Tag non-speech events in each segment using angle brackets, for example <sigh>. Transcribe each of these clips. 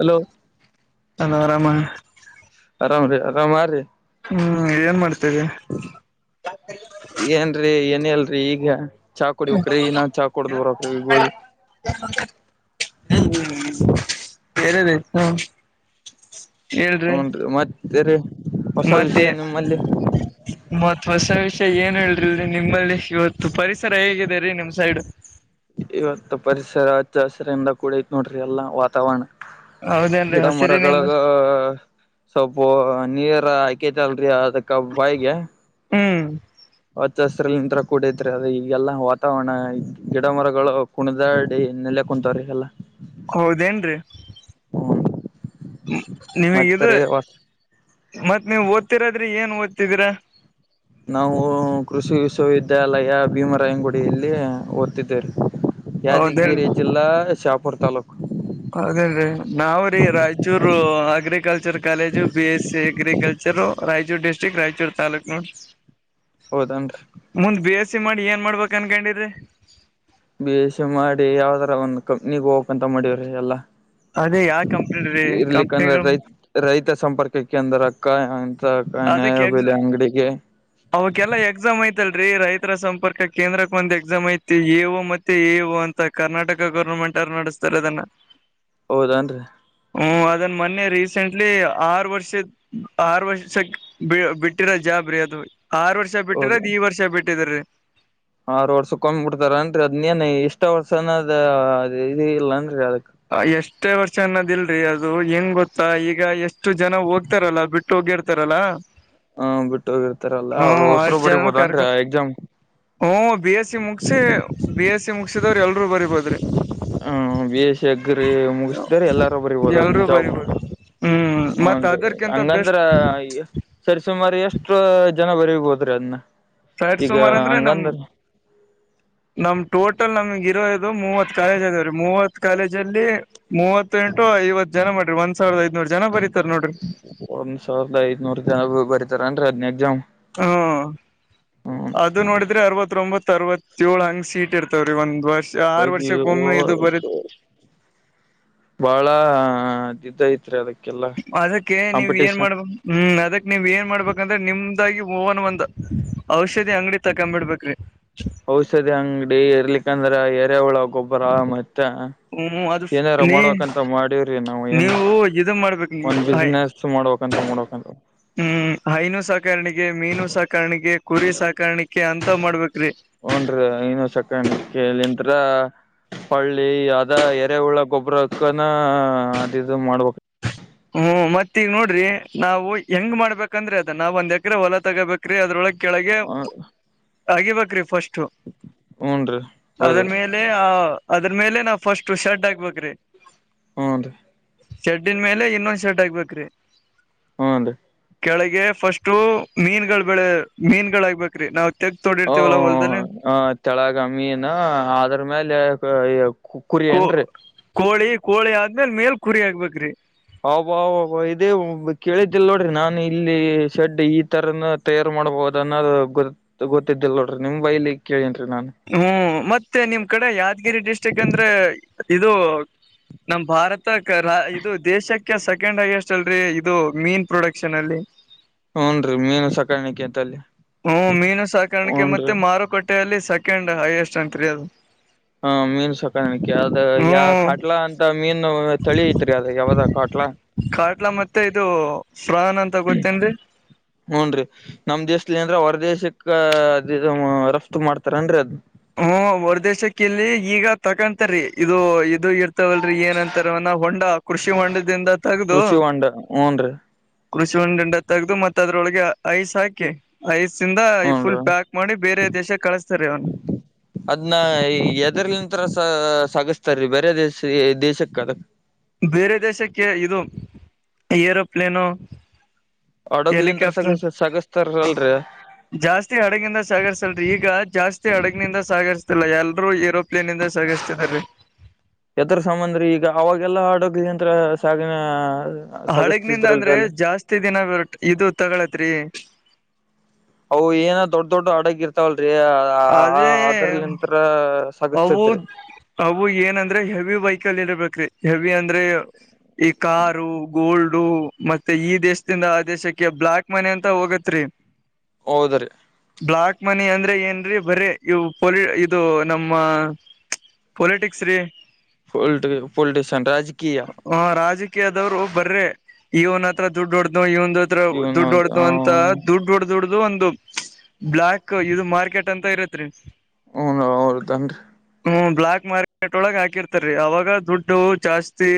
Hello ತನೋ ಆರಾಮ ಆರಾಮ್ ರೀ ಆರಾಮ್ ಆ ರೀ ಹ್ಮ್ ಏನ್ ಮಾಡ್ತಾ ಇದೀಯಾ. ಏನ್ರರಿ ಏನ್ ಇಲ್ರಿ ಈಗ ಚಾ ಕುಡಿಬೇಕ್ರೀ ನಾ ಚಾಹ ಕುಡ್ದ್ ಬರಬೇಕ್ ರೀ ಈಗ ಹೋಗಿ. ಬೇರೆ ಬ <unintelligible> ಹೇಳ್ರಿ ಬೇರೆ ಹೊಸ ವಿಷಯ ನಿಮ್ಮಲ್ಲಿ ಮತ್ತ್ ಹೊಸ ವಿಷಯ ಏನ್ ಹೇಳ್ರಿ ನಿಮ್ಮಲ್ಲಿ ಇವತ್ತು ಪರಿಸರ ಹೇಗಿದೆ ರೀ ನಿಮ್ ಸೈಡ್ ಇವತ್ತು ಪರಿಸರ ಹಚ್ಚ ಹಸಿರಿಂದ ಕೂಡ ಐತ್ ನೋಡ್ರಿ ಎಲ್ಲಾ ವಾತಾವರಣ. ಹೌದೇನ್ರಿ ಗಿಡ ಹಸಿರಿನಿಂದ ಮರಗಳಾಗ ಸ್ವಲ್ಪ ನೀರ್ ಆಕೇತಲ್ರಿ ಅದಕ್ಕ ಅಬಾಗೆ ಹ್ಮ್ ಹಚ್ಚ ಹಸರಿನಲ್ಲಿ ನಿಂತ್ರ ಕೂಡ ಐತ್ರಿ ಅದೇ ಈಗೆಲ್ಲ ವಾತಾವರಣ ಗಿಡ ಮರಗಳು. ಕುಣದಾಡಿ ನೆಲೆ ಕುಂತವ್ರೀ ಎಲ್ಲಾ. ಹೌದೇನ್ ರೀ ಹ್ಮ ಮತ್ತ ನಿಮಗಿದು. ರೀ ಹೊಸ ಮತ್ ನೀವು ಓದ್ತಿರೋದ್ ರೀ ಏನ್ ಓದುತ್ತೀದೀರಾ. ನಾವು ಕೃಷಿ ವಿಶ್ವವಿದ್ಯಾಲಯ ಭೀಮರಾಯಂಗುಡಿಯಲ್ಲಿ ಓದ್ತಿದ್ದೇವ್ ರೀ. ಹೌದೇನ್ ಯಾದಗಿರಿ ಜಿಲ್ಲಾ ಶಾಪುರ್ ತಾಲ್ಲೂಕು ಹೌದೇನ್ ರೀ ನಾವ್ರೀ Raichur agriculture college B S C agriculture Raichur district Raichur taluk ನೋಡ್ರಿ. ಹೌದೇನ್ರಿ ಮುಂದ್ ಬಿ ಎಸ್ ಸಿ ಮಾಡಿ ಏನ್ ಮಾಡ್ಬೇಕ ಅನ್ಕೊಂಡಿರಿ ಬಿ ಎಸ್ ಸಿ ಮಾಡಿ ಯಾವ್ದರ ಒಂದು ಕಂಪನಿಗೆ ಹೋಗಬೇಕಾಂತ ಮಾಡಿವ್ರಿ ಎಲ್ಲಾ. ಅದೇ ಯಾವ ಕಂಪನಿ ರೀ ಇರ್ಲಿಕ್ಕಂದ್ರ ಕಂಪ್ನಿಗಳು ರೈತ ರೈತ ಸಂಪರ್ಕ ಕೇಂದ್ರಕ್ಕ ಅಕ್ಕ ಅಂತ ನ್ಯಾಯ ಬೆಲೆ ಅಂಗಡಿಗೆ. ಅವಕೆಲ್ಲ ಎಕ್ಸಾಮ್ ಐತಲ್ರೀ ರೈತರ ಸಂಪರ್ಕ ಕೇಂದ್ರಕ್ಕೆ ಒಂದ್ ಎಕ್ಸಾಮ್ ಐತಿ ಎ ಓ ಮತ್ತೆ ಎ ಎ ಓ ಅಂತ್ ತ ಕರ್ನಾಟಕ ಗೌರ್ಮೆಂಟ್ ಅವರು ನಡಸ್ತಾರೆ ಅದನ್ನ ಹೌದನ್ರಿ ಹ್ಮ್ ಅದನ್ನ ಮೊನ್ನೆ ರೀಸೆಂಟ್ಲಿ ಆರು ವರ್ಷದ್ ಆರು ವರ್ಷಕ್ಕ್ ಬಿ ಬಿಟ್ಟಿರೊ ಜಾಬ್ ರೀ ಅದು ಆರು ವರ್ಷ ಹೌದ ಬಿಟ್ಟಿರೋದ್ ಈ ವರ್ಷ ಬಿಟ್ಟಿದ್ ರೀ ಆರು ವರ್ಷಕೊಂಡ್ಬಿಡ್ತಾರನ್ರಿ ಅದ್ ಎನ್ ಇಷ್ಟ ವರ್ಷ ಅನದ ಇದ ಇಲ್ಲನ್ರಿ ಅದಕ್ ಎಷ್ಟೇ ವರ್ಷ ಅನ್ನೋದಿಲ್ರಿಅದು ಹೆಂಗ್ ಗೊತ್ತಾ ಈಗ ಎಷ್ಟು ಜನ ಹೋಗ್ತಾರಲ್ಲ ಬಿಟ್ಟು ಬಿಟ್ಟುಹೋಗಿರ್ತಾರಲ್ಲ ಹ ಬಿಟ್ಟ ಹೋಗಿರ್ತಾರಲ್ಲಾ ಅವ್ರರು ಹೊಸರು ಬರಿಬೋದೇನರಿ ಎಕ್ಸಾಮ್ ಹ್ಮ್, ಬಿ ಎಸ್ ಸಿ ಮುಗಿಸೆಬಿ ಎಸ್ ಸಿ ಮುಗಸಿದವರು ಎಲ್ರು ಬರಿಬೋದ್ರಿ ಹ್ಮ್, ಬಿ ಎ ಸಿ ಅಗ್ರಿಮುಗಸಿದವರೇಲ್ಲಾರು ಬರಿಬೋದು ಅದ್ನ್ ಎಲ್ರೂ ಜಾಬ್ ಬರಿಬೋದು ಹ್ಮ್, ಮತ್ ಅದರ್ಕಿಂತ ಬೆಸ್ಟ್ ನ್ರಿಹಂಗಂದ್ರ ಸರಿ ಸುಮಾರು ಎಷ್ಟ ಜನ ಬರಿ ಬೋದ್ರಿ ಅದನ್ನ ಸೈಡ್ ಈಗ ಸುಮಾರ್ ಅಂದ್ರೆ ನಮ್ ಹಂಗಂದ್ರ. ನಮ್ ಟೋಟಲ್ ನಮಗ ಇರೋ ಇದು ಮೂವತ್ ಕಾಲೇಜ್ ಅದಾವ್ರೀ ಮೂವತ್ ಕಾಲೇಜ್ ಅಲ್ಲಿ ಮೂವತ್ ಎಂಟು ಐವತ್ ಜನ ಮಾಡ್ರಿ ಒಂದ್ ಸಾವಿರದ ಐದನೂರ ಜನ ಬರೀತಾರ ನೋಡ್ರಿ ಒಂದ್ ಸಾವಿರದ ಐದನೂರ ಜನ ಬರತಾರನ್ರಿ ಹದ್ನಾ ಎಕ್ಸಾಮ್. ಹಾ, ಹೂನ್ರಿ ಅದು ನೋಡಿದ್ರೆ ಅರವತ್ತೊಂಬತ್ ಅರವತ್ತ ಏಳಹಂಗ್ ಸೀಟ್ ಇರ್ತವ್ರೀ ಒಂದ್ ವರ್ಷ ಆರು ಹೋಗಿ ವರ್ಷಕ್ಕೆ ಒಮ್ಮೆ ಇದು ಬರಿತ್ ಬಹಳ ಇದಿದ್ದ ಐತ್ರಿ ಅದಕ್ಕ ಅದಕ್ಕೆ ನೀವ್ ಏನ್ ಮಾಡ್ಬೇಕು ಹ್ಮ್, ಅದಕ್ ನೀವ್ ಏನ್ ಮಾಡ್ಬೇಕಂದ್ರೆ ನಿಮ್ದಾಗಿ ಓವನ್ ಒಂದ್ ಔಷಧಿ ಅಂಗಡಿ ತಕೊಂಬಿಡ್ಬೇಕ್ರಿ ಹ <inaudible> ಔಷಧಿ ಅಂಗಡಿ ಇರ್ಲಿಕ ಅಂದ್ರೆ ಎರೆಹೂಳ ಗೊಬ್ಬರ ಮತ್ತೆ ಹ <inaudible> ಏನಾರ ಮಾಡ್ಬೇಕಂತ ಮಾಡೀವ್ರಿ ನಾವು ಏನ್ ನೀವು ಇದು ಒಂದ ಮಾಡ್ಬೇಕ್ ಬಿಸ್ನೆಸ್ ಮಾಡಬೇಕು. ಕಂತ ಮಡೋಕಂತ <unintelligible> ಹ್ಮ್, ಹೈನು ಸಾಕಣಿಕೆ, ಮೀನು ಸಾಕಣಿಕೆ, ಕುರಿ ಸಾಕಣಿಕೆ ಅಂತ ಮಾಡ್ಬೇಕ್ರಿ. ಹ್ಮ್, <unintelligible> ನ್ರೀ ಇನ್ನ ಸಕಣ ಕಂರ ಹಳ್ಳಿ ಅದ ಎರೆಹುಳಗೊಬ್ಬ್ರಕ್ಕನ ಅದಿದು ಮಾಡ್ಬೇಕ. ಹ್ಮ್, ಮತ್ತ ಈಗ ನೋಡ್ರಿ ನಾವು ಹೆಂಗ್ ಮಾಡ್ಬೇಕಂದ್ರೆ ಅದ ನಾ ಒಂದ್ ಎಕರೆ ಹೊಲ ತಗೋಬೇಕ. ಅದ್ರೊಳಗ್ ಕೆಳಗೆ ಆಗಿಬೇಕ್ರಿ ಫಸ್ಟ್ ಹೂನ್ರೀ ಅದ್ರ ಹೌದು ಮೇಲೆ ಆ ಅದ್ರ ಮೇಲೆ ನಾವ ಫಸ್ಟ್ ಶರ್ಟ್ ಹಾಕ್ಬೇಕ್ರಿ. ಹ್ಞ್ ರೀ ಶಡ್ಡಿನ್ ಮೇಲೆ ಇನ್ನೊಂದ್ ಶೆಡ್ಗ ಆಗ್ಬೇಕ್ರಿ. ಹ್ಮ್, ನ್ರಿ ಕೆಳಗೆ ಫಸ್ಟು ಮೀನ್ ಬೆಳೆ ಮೀನ್ಗಳಾಗಗ್ಬೇಕ್ರಿ ನಾವು ತೆಗ ತೋಡಿ ಹ ಇರ್ತೀವಲ್ಲಾ ಹೊಲ್ದಲ್ಲಿ. ಹ ತೆಳಗ ಮೀನು ಅದ್ರ ಮೇಲೆ ಕು ಕುರಿ ಕೋ ಏನ್ರಿ ಕೋಳಿ ಕೋಳಿ ಆದ್ಮೇಲೆ ಮೇಲ್ ಕುರಿ ಆಕ್ಬೇಕ್ರಿ, ಹಬ್ಬಬ್ಬಾ ಇದೇ ಕೇಳಿದ್ದಲ್ ನೋಡ್ರಿ ನಾನು ಇಲ್ಲಿ ಶೇಡ್ ಈ ತರನ ತಯಾರು ಮಾಡ್ಬಹದ ಅನ್ನೋದು ಗೊ ಗೊತ್ತಿದ್ದಿಲ್ಲ ನೋಡ್ರಿ ನಿಮ ಬಾಯಿಲಿ ಕೇಳಿನ್ ನಾನು ಹ್ಮ್, ಮತ್ತೆ ನಿಮ್ ಕಡೆ ಯಾದಗಿರಿ ಡಿಸ್ಟ್ರಿಕ್ ಅಂದ್ರೆ ಇದು- ನಮ ಭಾರತ ಇದು ದೇಶಕ್ಕೆ ಸೆಕೆಂಡ್ ಹೈಯೆಸ್ಟ್ ಅಲ್ರಿ ಇದು ಮೀನ್ ಪ್ರೊಡಕ್ಷನ್ ಅಲ್ಲಿ ಹ್ಮ್, ನ್ರಿಮೀನು ಸಾಕಾಣಿಕ ಅಂತಲ್ಲಿ ಹ್ಮ್, ಮೀನು ಸಾಕಾಣಿಕೆ ಹೂನ್ರೀ ಮತ್ತೆ ಮಾರುಕಟ್ಟೆಯಲ್ಲಿ ಸೆಕೆಂಡ್ ಹೈಯೆಸ್ಟ್ ಅಂತರಿ ಅದು. ಹ, ಮೀನ್ ಸಕಾಣಿಕ್ಕೆ ಅದ ಹ್ಮ್ ಕಾಡ್ಲಾ ಅಂತ ಮೀನು ತಳಿ ಐತ್ರಿ ಅದ ಯಾವದ ಕಾಟ್ಲಾ ಕಾಟ್ಲಾ ಮತ್ತೆ ಇದು ಪ್ರಹಾನ ಅಂತ ಗೊತ್ತೇನ್ರಿ.? ಹ್ಮ್ ನ್ರಿನಮ್ ದೇಶಲಿ ಏನ್ರಹೊರ ದೇಶಕ್ಕ ಅ ರಫ್ತು ಮಾಡ್ತಾರೇನ್ರಿ ಅದ- ಹ್ಮ, ಹೊರದೇಶಕ್ಕ ಇಲ್ಲಿ ಈಗ ತಕೊಂತ್ರೀ ಇದು ಇದು ಇರ್ತವಲ್ರಿ ಏನ್ಂತಾರವನ ಹೊಂಡಾ- ಕೃಷಿ ಹೊಂಡದಿಂದ ತೆಗ್ದು ಕೃಷಿ ಹೊಂಡ ಹ್ಮ್ ರೀ ಕೃಷಿ ಹೊಂಡದಿಂದ ತಗದು ಮತ್ತೆ ಅದ್ರೊಳಗೆ ಐಸ್ ಹಾಕಿ ಐಸ್ ಇಂದ ಫುಲ್ ಹೂನ್ರಿ ಪ್ಯಾಕ್ ಮಾಡಿ ಬೇರೆ ದೇಶಕ್ಕೆ ಕಳಿಸ್ತಾರೆ ಅವನ್ನ. ಅದ್ನ ಎದರ್ಲನ್ ತರ ಸ ಸಾಗಸ್ತಾರೀ ಬೇರೆ ದೇಶ ದೇಶಕ್ಕೆ ಅದು ಬೇರೆ ದೇಶಕ್ಕೆ ಇದು ಏರೋಪ್ಲೇನು ಹಡಗ್ಲಿಂದ ಹೆಲಿಕಾಪ್ಟರ್ ಸ ಸಾಗಸ್ತಾರ್ ಅಲ್ರೀ ಜಾಸ್ತಿ ಹಡಗಿಂದ ಸಾಗರ್ಸಲ್ರರಿ ಈಗ ಜಾಸ್ತಿ ಹಡಗಿನಿಂದ ಸಾಗರ್ಸಲ್ಲ ಎಲ್ರೂ ಏರೋ- ಪ್ಲೇನ್ ನಿಂದ ಸಾಗಿಸ್ತದ್ ರೀ ಎದರ ಸಾಮನ್ ಈಗ ಅವಾಗೆಲ್ಲಾ ಹಾಡೋಗಲಿಂತ್ರ ಸಾಗಿನ ಹಡಗ್ನಿಂದ ಅಂದ್ರೆ ಜಾಸ್ತಿ ದಿನ ಬರತ್ ಇದು ತೊಗಳತ್ರಿ ಅವು ಏನೋ ದೊಡ್ ದೊಡ್ ಹಡಗು ಇರ್ತವಲ್ರರಿ. ಅ ಅದೇ ಅದ್ರಲ್ಲಿ ನಿಂತ್ರ ಅವು ಸಾಗುಸ್ತತ್ ರೀ ಅವು ಏನಂದ್ರೆ ಹೆವಿ ವಹಿಕಲ್ ಇರ್ಬೇಕ್ರೀ ಹೆವಿ ಅಂದ್ರೆ ಈ ಕಾರು ಗೋಲ್ಡ್ ಡು ಮತ್ತೆ ಈ ದೇಶದಿಂದ ಆ ದೇಶಕ್ಕೆ ಬ್ಲಾಕ್ ಮನಿ ಅಂತ ಹೋಗತ್ ರೀ- ಹೌದ್ರೀ ಬ್ಲಾಕ್ ಮನಿ ಅಂದ್ರೆ ಏನ್ ಬರೀ ಬರೀ ಇವು ಪೊಲಿ ಇದು ನಮ್ಮ ಪೊಲಿಟಿಕ್ಸ್ ರೀ ಪೋಲ್ಟ್ ಪೋಲ್ಟಿಶನ್ ರಾಜಕೀಯ ಹ ರಾಜಕೀಯದವ್ರು ಬರ್ರೆ ಇವನ್ ಹತ್ರ ದುಡ್ಡು ಹೊಡ್ದ್ನೋ ಇವನ್ ಒಂದ್ ತ್ರ ಇವನು ದುಡ್ ಹೊಡೆದು ಅಂತ ದುಡ್ಡು ಹೊಡ್ ದೊಡ್ದದು ಒಂದು ಬ್ಲಾಕ್ ಇದು ಮಾರ್ಕೆಟ್ ಅಂತ ಇರುತ್ತ್ ರೀ. ಓಓ ಒತ್ತೇನ್ ರೀ. ಹ್ಮ ಬ್ಲಾಕ್ ಮಾರ್ಕೆಟ್ ಒಳಗ ಹಾಕಿರ್ತಾರೀ ಅವಾಗ ದುಡ್ಡು ಜಾಸ್ತಿ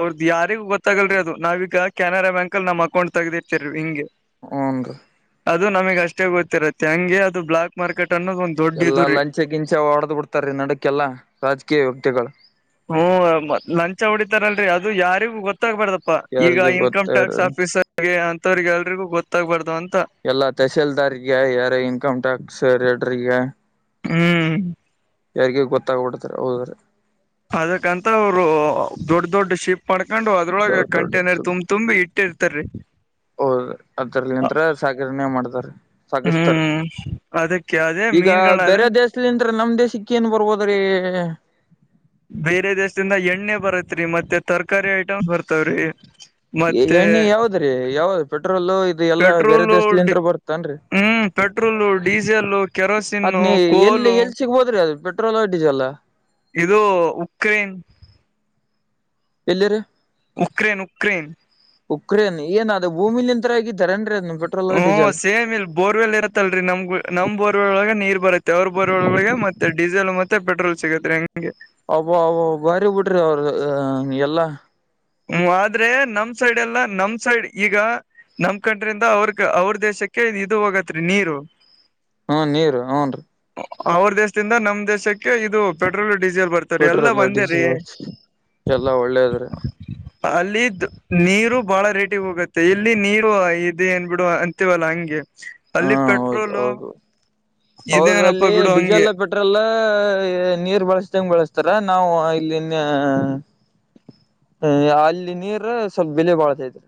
ಅವ್ರದ್ದ್ ಯಾರಿಗು ಗೊತ್ತಾಗಲ್ರಿ ಅದು ನಾವೀಗ ಕ್ಯಾನರಾ ಬ್ಯಾಂಕ್ ಅಲ್ಲಿ ನಮ್ಮ್ ಅಕೌಂಟ್ ತೆಗದಿರ್ತರ ರೀ ಹಿಂಗಿ ಹ್ಮ್ ಹಂಗ ಅದು ನಮಗೆ ಅಷ್ಟೇ ಗೊತ್ತಿರತ್ತೆ ಹಂಗೆ ಅದು ಬ್ಲಾಕ್ ಮಾರ್ಕೆಟ್ ಅನ್ನೋದು ದೊಡ್ಡ ಇದು ಎಲ್ಲಾ ರೀ ಲಂಚ ಗಿಂಚ ಹೊಡ್ದ್ ಬಿಡ್ತಾರೀ ನಡಕ್ಕೆಲ್ಲಾ ರಾಜಕೀಯ ವ್ಯಕ್ತಿಗಳು. ಹ್ಮ್ ಲಂಚ ಹೊಡಿತಾರೆ ಅಲ್ರರಿ ಅದು ಯಾರಿಗೂ ಗೊತ್ತ್ ತ್ತಾಗಬಾರ್ದಪ್ಪ ಈಗ ಯಾರಿಗೆ ಗೊತ್ತ ಇನ್ಕಮ್ ಟ್ಯಾಕ್ಸ್ ಆಫೀಸರ್ ಗೆ ಅಂತವ್ರಿಗೆ ಎಲ್ರಿಗೂ ಗೊತ್ತಾಗ್ಬಾರ್ದು ಅಂತ. ಎಲ್ಲಾ ತಹಸೀಲ್ದಾರ್ಗೆ ಯಾರ ಇನ್ಕಮ್ ಟ್ಯಾಕ್ಸ್ ರೈಡ್ರಗೆ. ಹ್ಮ್ ಯಾರಿಗೆ ಗೊತ್ತಾಗಬಿಡ್ತೆ ಹೌದ್ ರೀ. ಅದಕ್ಕಂತ ಅವ್ರು ದೊಡ್ಡ ದೊಡ್ ಶಿಪ್ ಮಾಡ್ಕೊಂಡು ಅದ್ರೊಳಗೆ ದೊಡ್ಡ ದೊಡ್ಡ ಕಂಟೇನರ್ ತುಂಬ್ ತುಂಬಿ ಇಟ್ಟಿರ್ತಾರೀ ಅದ್ರಲ್ಲಿ ನಿಂತ್ರೆ ಸಾಗರಣೆ ಮಾಡತಾರ್ ರೀ ಸಾಗಿಸತಾರ್ ರೀ. ಹ್ಮ್ ಅದಕ್ಕೆ ಅದೇ ಮೀನುಗಳನ್ನ ಬೇರೆ ದೇಶಲಿಂದ್ರ ನಮ್ ದೇಶಕ್ಕೆ ಏನ್ ಬರ್ಬೋದ್ರೀ. ಬೇರೆ ದೇಶದಿಂದ ಎಣ್ಣೆ ಬರತ್ರಿ ಮತ್ತೆ ತರಕಾರಿ ಐಟಮ್ಸ್ ಬರ್ತವ್ರಿ. ಮತ್ತೆ ಎಣ್ಣೆ ಯಾವುದು ರೀ ಯಾವದ್ ಪೆಟ್ರೋಲ್ ಇದು ಎಲ್ಲಾ ಬೇರೆ ಪೆಟ್ರೋಲು ದೇಶಲಿಂದ ಬರ್ತ್ ತನ್ರಿ ಹ್ಮ್ ಪೆಟ್ರೋಲು ಡೀಸೆಲ್ ಅದ್ ಕೆರೋಸಿನ್ನು ನೀ ಎಲ್ಲಿ ಕೋಲು ಎಲ್ಲಿ ಸಿಗಬೋದ್ ದ್ರೀ ಅದು ಪೆ ಟ್ರೋಲ್ಯ ಡೀಸೆಲ. ಇದು ಉಕ್ರೇನ್ ಎಲ್ಲಿ ರೀ ಉಕ್ರೇನ್ ಉಕ್ರೇನ್ ಉಕ್ರೇನ್ ಏನ್ ಅದು ಭೂಮಿಲಿ ನಿಂತರ್ ಆಗಿದ್ದಾರೇನ್ ರೀ ಅದ್ ಪೆಟ್ರೋಲ್ ಹ್ಮ ಡೀಸೆಲ್ ಸೇಮ ಇಲ್ ಬೋರ್ವೆಲ್ ಇರುತ್ತಲ್ರಿ ನಮ್ ನಮ್ ಬೋರ್ವೆಲ್ ಒಳಗೆ ನೀರ್ ಬರುತ್ತೆ ಅವ್ರ ಬೋರ್ವೆಲ್ ಒಳಗೆ ಮತ್ತೆ ಡೀಸೆಲ್ ಮತ್ತೆ ಮತ್ತೆ ಪೆಟ್ರೋಲ್ ಸಿಗುತ್ತೆ ಹೆಂಗೆ ಅಬ್ಬ ಅಬ್ಬ ಬಾರಿ ಬಿಡ್ರಿ ಅವರು ಎಲ್ಲಾ ಹ್ಮ್ ಆದ್ರೆ ನಮ್ ಸೈಡ್ ಎಲ್ಲಾ ನಮ್ ಸೈಡ್ ಈಗ ನಮ್ ಕಂಟ್ರಿಯಿಂದ ಅವರು ಅವರು ದೇಶಕ್ಕೆ ಇದು ಹೋಗತ್ರಿ ನೀರು ಹ್ಮ್ ನೀರು ಹ್ಮ್ ರೀ ಅವರು ದೇಶದಿಂದ ನಮ್ ದೇಶಕ್ಕೆ ಇದು ಪೆಟ್ರೋಲ್ ಡೀಸೆಲ್ ಬರ್ತ್ ಪೆಟ್ರೋಲ್ ಡೀಸೆಲ್ ಎಲ್ಲಾ ಒಳ್ಳೇದ್ ರೀ ಅಲ್ಲಿ ನೀರು ಬಾಳ ರೇಟಿಗೆ ಹೋಗುತ್ತೆ ಇಲ್ಲಿ ನೀರು ಇದೆನ್ಬಿಡು ಅಂತೀವಾಲ್ಲ ಹಂಗೆ ಹಾ ಅಲ್ಲಿ ಹೌದು ಪೆಟ್ರೋಲು ಹೌದು ಇದೇನಪ್ಪ ಬಿಡು ಹಂಗೆ ಟ್ರೋಲ್ಲ ನೀರ್ ಬಳಸ್ದಂಗ ಬಳಸ್ತಾರ ನಾವು ಇಲ್ಲಿನ್ ಹ್ಮ್ ಅಲ್ಲಿ ನೀರು ಸ್ವಲ್ಪ ಬೆಲೆ ಬಾಳ್ತೈತ್ ರೀ.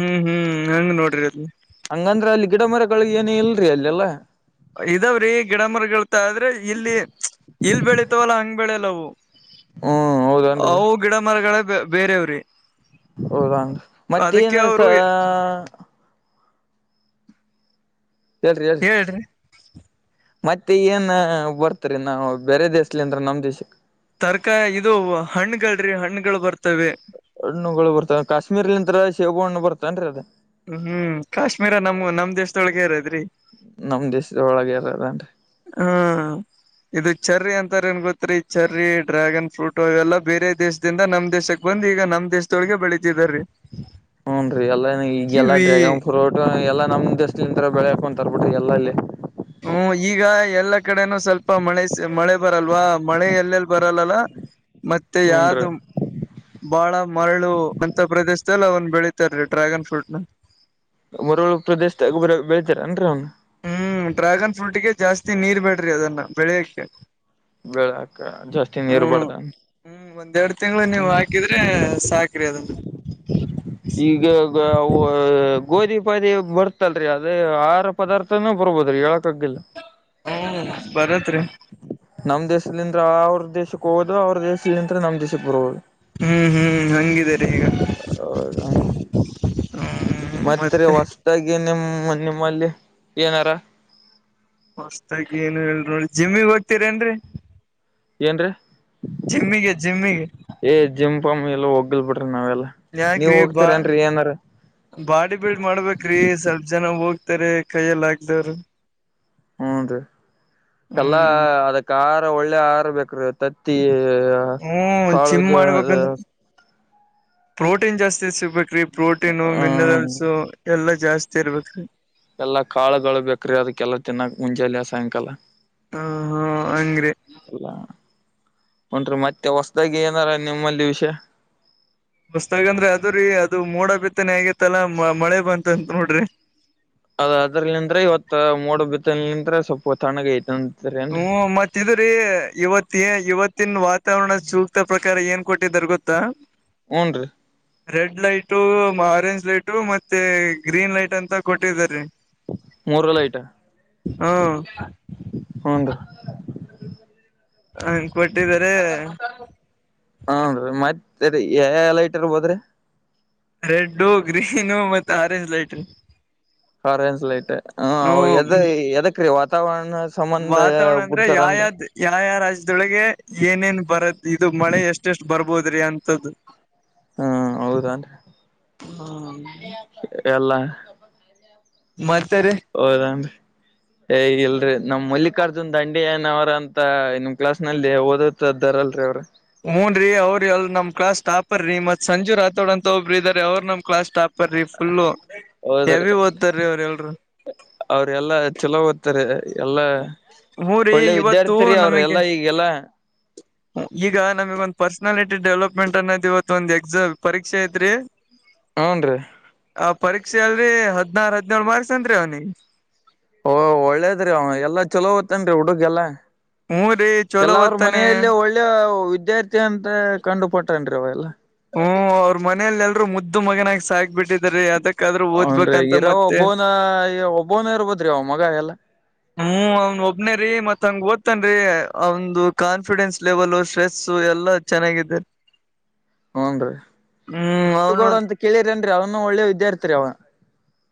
ಹ್ಮ್ ಹ್ಮ್ ಹಂಗ್ ನೋಡ್ರಿ ಅಲ್ಲಿ ಹಂಗಂದ್ರೆ ಅಲ್ಲಿ ಗಿಡ ಮರಗಳಿಗೆ ಏನು ಇಲ್ರರಿ ಅಲ್ಲೆಲ್ಲಾ. ಇದಾವ್ರೀ ಗಿಡ ಮರಗಳತ್ತ್ ಆದ್ರೆ ಇಲ್ಲಿ. ಇಲ್ ಬೆಳಿತವಲ್ಲಾ ಹಂಗ್ ಬೆಳೆಯಲ್ಲ ಅವು ಹ್ಮ್ ಹೌದನ್ರಿ ಅವು ಗಿಡ ಮರಗಳೇ ಬೇರೆವ್ ರೀ ಹೌದಾಂಗ ಮತ್ತೆ ಏನೋ ಸ ಹೇಳಿರಿ ಹೇಳರಿ ಹೇಳ್ರಿ ಮತ್ತೆ ಏನ್ ಬರ್ತರಿ ನಾವು ಬೇರೆ ದೇಶಲಿ ಅಂದ್ರ ನಮ್ ದೇಶಕ್ಕ ತರಕಾರ್ ಇದು ಹಣ್ಣುಗಳು ರೀ ಹಣ್ಣುಗಳು ಬರ್ತವ್ ರೀ ಹಣ್ಣುಗಳು ಬರ್ತಾವ್ ಕಾಶ್ಮೀರ್ಲಿಂತ್ರರ ಶೇಬೂ ಹಣ್ಣು ಬರ್ತನ್ರೀ ಅದು. ಹ್ಮ್ ಕಾಶ್ಮೀರ ನಮ್ಮ್ ನಮ್ಮ ದೇಶದೊಳಗೆ ಇರೋದ್ ರೀ ನಮ್ ದೇಶದ ಒಳಗೆ ಇರೋದ್ ಎನ್ರೀ ಹ್ಮ ಇದುಕ್ಕೆ ಚಾರೀ ಅಂತಾರೆ ಏನ್ ಗೊತ್ತುತ್ರಿ ಚೇರಿ ಡ್ರ್ಯಾಗನ್ ಫ್ರೂಟು ಇವೆಲ್ಲಾ ಬೇರೆ ದೇಶ್ ದಿಂದ ನಮ್ ದೇಶಕ್ ಬಂದು ಈಗ ನಮ್ ದೇಶದೊಳಗೆ ಬೆಳಿತಿದ ರೀ ಹ್ಮ್ ರೀ ಎಲ್ಲ ಈಗೆಲ್ಲಾ ಡ್ರ್ಯಾಗನ್ ಫ್ರೂಟ್ ಎಲ್ಲಾ ನಮ್ ದೇಶದ ಬೆಳಕೊಂತರ್ ಬಿಡ್ರಿ ಎಲ್ಲ ಅಲ್ಲೆ. ಹ್ಮ್ ಈಗ ಎಲ್ಲಾ ಕಡೆನೂ ಸ್ವಲ್ಪ ಮಳೆ ಮಳೆ ಬರಲ್ವಾ ಮಳೆ ಎಲ್ಲೆಲ್ಲಿ ಬರಲ್ಲಲ್ಲ ಮತ್ತೆ ಹೂನ್ ರೀ ಯಾದಂ- ಬಾಳ ಮರಳು ಅಂತ ಪ್ರದೇಶದಲ್ಲಿ ಅವನ್ನ ಬೆಳೀತಾರೀ ಡ್ರ್ಯಾಗನ್ ಫ್ರೂಟ್ ನ ಮರಳಗ್ ಪ್ರದೇಶದಾಗ ಬರೆ ಬೆಳಿಳ್ತಾರನ್ರೀ ಅವನ್ನ. ಹ್ಮ್ ಡ್ರ್ಯಾಗನ್ ಫ್ರೂಟ್ಗೆ ಜಾಸ್ತಿ ನೀರ್ ಬೇಡ್ರಿ ಅದನ್ನ ಬೆಳೆಯಕ್ಕೆ. ಬೆಳಯಕ ಜಾಸ್ತಿ ನೀರ್ ಹ್ಮ್ ಬಾರ್ದಾ ಹ್ಮ್ ಒಂದೆರಡೂ ತಿಂಗಳು ನೀವು ಹಾಕಿದ್ರೆ ಸಾಕ್ರಿ ಅದನ್ನ ಈಗ ಗೋ ಹ ಗೋಧಿ ಪಾದಿ ಬರ್ತಲ್ ರೀ ಅದ ಆರ್ ಪದಾರ್ಥನೂ ಬರ್ಬೋದ್ ರೀ ಹೇಳಕ್ ಆಗಲ್ಲ. ಹ್ಮ ಬರುತ್ ರೀ ನಮ್ ದೇಶದಿಂದ ಅವರು ದೇಶಕ್ಕೆ ಹೋಗೋದು ಅವರು ದೇಶಲಿಂದ್ರ ನಮ್ ದೇಶಕ್ಕೆ ಬರೋದು. ಹ್ಮ್ ಹ್ಮ್ ಹಂಗಿದೆ ರೀ ಹ್ಮ್ ಮತ್ ರೀ ಮತ್ತೆ ಹೊಸದಾಗಿ ನಿಮ್ಮ್ ನಿಮ್ಮಲ್ಲಿ ಏನಾರ. ಹೊಸ್ತಾಗಿ ಏನು ಹೇಳಿ ನೋಡಿ ಜಿಮ್ಮಿಗ್ ಹೋಗ್ತೀರೇನ್ ರೀ ಏನ್ರೀ ಜಿಮ್ಮಿಗೆ ಜಿಮ್ಮಿಗೆ ಏ ಜಿಮ್ ಪಾಮ್ ಎಲ್ಲಾ ಹೋಗಲ್ ಬಿಡ್ರಿ ನಾವೆಲ್ಲಾ ನೀವ್ ಯಾಕ್ರಿ ಬಾ ಹೋಗ್ತಿರ ಏನ್ರಿ ಏನಾರ ಬಾಡಿ ಬಿಲ್ಡ್ ಮಾಡ್ಬೇಕ್ರಿ ಸ್ವಲ್ಪ ಜನ ಹೋಗ್ತಾರ ಕೈಯ್ಯಲ್ಲಿ ಹಾಗ್ತಾಇಲ್ಲಾ. ಹ್ಮ್ ನರೀ ಎಲ್ಲಾ ಹ್ಮ್ ಅದಕ್ ಆಹಾರ ಒಳ್ಳೆ ಆಹಾರ ಬೇಕ್ರೀ ತತ್ತಿ- ಹ್ಮ್, ಜಿಮ್ ಕಾಳುದು ಮಾಡ್ಬೇಕಂದ್ರ ಪ್ರೋಟೀನ್ ಜಾಸ್ತಿ ಸಿಗ್ಬೇಕ್ರಿ ಪ್ರೋಟೀನು, ಹ್ಮ್ ಮಿನರಲ್ಸ್ ಎಲ್ಲಾ ಜಾಸ್ತಿ- ಜರ್ವತ್ತು ರಿ <unintelligible> ಎಲ್ಲಾ ಕಾಳುಗಳು ಬೇಕ್ರೀ ಅದಕ್ಕೆಲ್ಲ ತಿನ್ನಕಾ ಮುಂಜಾಲೆ ಸಾಯಂಕಾಲ. ಹಾ, ಹಾ ಹಂಗ್ರಿ ಅಲ್ಲ ಅಂತ್ರಮತ್ತೆ ಹೊಸದಾಗಿ ಏನಾರ ನಿಮ್ಮಲ್ಲಿ ವಿಷಯ. ಒಸ್ತಾಗಂದ್ರೆ ಅದ್ರೀ ಅದು ಮೋಡ ಬಿತ್ತನೆ ಆಗೇತ್ತಲ್ಲಾ ಮಳೆ ಬಂತಂತ ನೋಡ್ರಿ. ಅದ ಅದ್ರಲ್ಲಿಂದ್ರೆ ಇವತ್ತು ಮೋಡ ಬಿತ್ತನೆ ಲಿಂತ್ರ ಸ್ವಲ್ಪ ತಣ್ಣಗ ಐತ ಹ್ಮ ಮತ್ತೆ <unintelligible> ಇವತ್ ಏ ಇವತ್ತಿನ ವಾತಾವರಣ ಸೂಕ್ತ ಪ್ರಕಾರ ಏನ್ ಕೊಟ್ಟಿದರ್ ಗೊತ್ತಾ ಹ್ಮ್, ನ್ರಿ ರೆಡ್ ಲೈಟು, ಆರೆಂಜ್ ಲೈಟು ಮತ್ತೆ ಗ್ರೀನ್ ಲೈಟ್ ಅಂತ ಕೊಟ್ಟಿದ್ದಾರೆ. ಮೂರು ಲೈಟಾ- ಹ್ಮ್, ಹ್ನ್ ರೀ <inaudible> ಹಂಗ ಕೊಟ್ಟಿದಿದ್ದಾರೆ ಹ್ಮ್, ನ್ರಿಮತ್ತೆ ಯಾವ್ಯಾವ ಲೈಟ್ರ್ಬೋ <unintelligible> ದ್ರಿ ರೆಡ್ಡು ಗ್ರೀನು ಮತ್ತೆ ಆರೆಂಜ್ ಲೈಟ್ ರೀ ಆರೇಂಜ್ ಲೈಟ್ ಹ, ಎದ ಹ್ಮ ಎದಕ್ ರೀ ವಾತಾವರಣ ಸಂಬಂಧ ಬಿಡ್ತಾರನ್ರಿ ಯಾವ ಯ ರಾಜ್ಯದೊಳಗೆ ಏನೇನ್ ಬರದ ಇದು ಮಳೆ ಎಷ್ಟ ಎಷ್ಟ್ ಬರ್ಬೋದ್ರಿ ಅಂತದ್ದು. <unintelligible> ಹ್ಮ್, ಹೌದಾನ್ರಿ ಹ್ಮ <inaudible> ಎಲ್ಲಾ ಮತ್ತೆ, ರಿ ಅವಾಮ <unintelligible> ಏ ಇಲ್ರಿ ನಮ್ ಮಲ್ಲಿಕಾರ್ಜುನ್ ದಂಡಿಯನ ಅವರ ಅಂತ ನಿಮ್ ಕ್ಲಾಸ್ ನಲ್ಲಿ ಓದ ದ್ದಾರಲ್ರಿೀ ಅವ್ರರು <unintelligible> ಹ್ನೂ ರೀ ಅವ್ರರು ಎ ನಮ್ ಕ್ಲಾಸ್ ಟಾಪರ್ ರೀ ಮತ್ ಸಂಜು ರಾಥೋಡ್ ಅಂತ ಒಬ್ರು ಇದಾರೆ ಅವರು ನಮ್ class topper. Topper full heavy ಓದ್ತಾರೀ ಅವ್ರ ಎಲ್ರು- ಅವ್ರೆ ಎಲ್ಲ ಚಲೋ ಓದ್ತಾರೆ ಎಲ್ಲ ಹೂ ರೀ ಒಳ್ಳೆ ಇವತ್ತು ವಿದ್ಯಾರ್ಥಿ ರೀ ಅವ್ರ ನಮಗೆ ಎಲ್ಲಾ ಈಗೆಲ್ಲ. ಈಗ ನಮಗ್ ಒಂದ್ ಪರ್ಸನಾಲಿಟಿ ಡೆವಲಪ್ಮೆಂಟ್ ಅನ್ನೋದ್ ಇವತ್ ಒಂದ್ ಎಕ್ಸಾಮ್ ಪರೀಕ್ಷೆ ಇತ್ರಿ ಹ್ಮ <inaudible> ಹ್ನ್ ರೀ- ಆ ಪರೀಕ್ಷೆ ಅಲ್ರಿ ಹದ್ನಾರು ಹದ್ನೇಳು ಮಾರ್ಕ್ಸ್ ಅಂನರಿ ಅವ್ನಿಗೆ ಓಹೋ ಒಳ್ಳೇದ್ರಿ ಅವ ಎಲ್ಲಾ ಚಲೋಓದಾತ ತ್ತೇನ್ರಿ ಹುಡುಗ ಹೂ ರೀ ಚೊಲೋ ಎಲ್ಲ ಅವ್ರ ಓದ್ತಾನೆ ಮನೆಯಲ್ಲೇ ಒಳ್ಳೆ ವಿದ್ಯಾರ್ಥಿ ಅಂತ ಕಂಡು ಪಟ್ಟನ್ ಅವ ಎಲ್ಲಾ. ಹ್ಮ್, ಅವ್ರ ಮನೆಯಲ್ಲಿ ಎಲ್ರೂ ಮುದ್ದು ಮಗನಾಗ ಸಾಕ್ಬಿಟ್ಟಿದಿದ್ದಾರೆ ಅದಕ್ಕಾದ್ರೂ ಓದ್ಬೇಕಂತ ಮತ್ತೆ ಈ ಒಬ್ಬನ ಇರ್ಬೋದ್ರಿ ಅವ ಮಗ ಎಲ್ಲ ಹ್ಮ್, ಅವನ್ ಒಬ್ನೇ ರೀ ಮತ್ ಹಂಗ ಓದ್ತನ್ರಿ ಅವ್ದ ಕಾನ್ಫಿಡೆನ್ಸ್ ಲೆವೆಲ್ ಸ್ಟ್ರೆಸ್ ಎಲ್ಲಾ ಚೆನ್ನಾಗಿದೆ ಹುನ್ರೀ ಹ್ಮ್ ದುಡ್ಡು ಅವನು ಕೂಡು ಅಂತ ಕೇಳಿರೆನ್ರಿ ಅವನು ಒಳ್ಳೆ ವಿದ್ಯಾರ್ಥಿ ರಿ ಅವ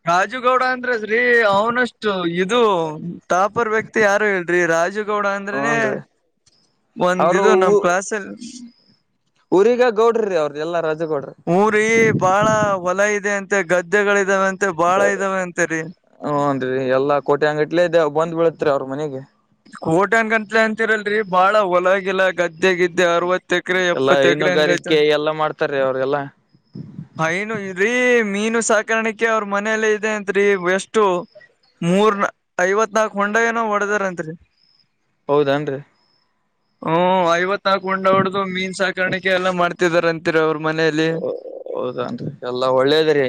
ರಾಜುಗೌಡ ಅಂದ್ರದ್ರಿ ಅವನಷ್ಟು ಇದು ಟಾಪರ್ ವ್ಯಕ್ತಿ ಯಾರು ಇಲ್ರಿ ರಾಜು ಗೌಡ ಅಂದ್ರೆನೆ ಹೂನ್ ರೀ ಒಂದ್ ಅವರು ಇದು ನಮ್ ಕ್ಲಾಸ್ ಅಲ್ಲಿ ಊರಿಗ ಗೌಡ್ರ ರೀ ಅವ್ರ್ ಎಲ್ಲ ರಾಜುಗೌಡ ಊ ರೀ ಬಾಳ ಹೊಲ ಇದೆ ಅಂತೆ ಗದ್ದೆಗಳ್ ಇದಾವಂತೆ ಬಾಳ ಇದಾವ ಅಂತೆ ರೀ ಹುನ್ರಿ ಎಲ್ಲಾ ಕೋಟ್ಯಾನ್ ಗಟ್ಲೆೇ ಇದೆ ಬಂದ್ ಬೀಳತ್ರಿ ಅವ್ರ್ ಮನೆಗೆ ಕೋಟ್ಯಾನ್ ಗಟ್ಟ್ಲೆ ಅಂತಿರಲ್ರಿ ಬಾಳ ಹೊಲಗಿಲ್ಲಾ ಗದ್ದೆಗಿದ್ದೆ ಅರವತ್ತ್ ಹತ್ತ್ ಕ್ರೇ ಎಲ್ಲಾ ಎಪ್ಪತ್ತ್ ಕ್ರೇ ಹೆಂಗಯ್ತ್ ಹೈನುಗಾರಿಕೆ ಎಲ್ಲಾ ಮಾಡ್ತಾರೀ ಅವ್ರೆಲ್ಲಾ ಹಾ ಏನು ರೀ ಮೀನು ಸಾಕಾಣಿಕೆ ಅವ್ರ ಮನೆಯಲ್ಲೇ ಇದೆ ಅಂತ್ರಿ ಎಷ್ಟು ಮೂರ್ ನಾ ಐವತ್ ನಾಲ್ಕ್ ಹೊಂಡ ಏನೋ ಹೊಡದಾರಂತ್ರಿ ಹೌದನ್ರಿ ಹ್ಮು ಐವತ್ ನಾಲ್ಕು ಗುಂಡ ಹೊಡ್ದು ಮೀನ್ ಸಾಕಾಣಿಕೆ ಎಲ್ಲಾ ಮಾಡ್ತಿದಾರ ಅಂತೆ ರಿ ಅವ್ರ ಮನೆಯಲ್ಲಿ ಹೌದ ಎಲ್ಲಾ ಒಳ್ಳೇದ್ರೀ